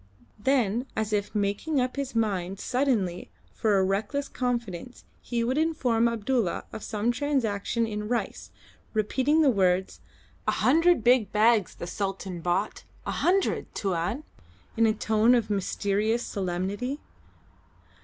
Then as if making up his mind suddenly for a reckless confidence he would inform Abdulla of some transaction in rice, repeating the words, "A hundred big bags the Sultan bought; a hundred, Tuan!" in a tone of mysterious solemnity.